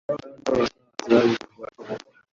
Ah kubabazwa n'abasaza bihoraho